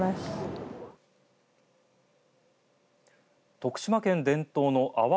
徳島県伝統の阿波